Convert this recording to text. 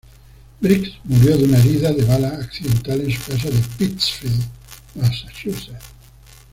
Briggs murió de una herida de bala accidental en su casa en Pittsfield, Massachusetts.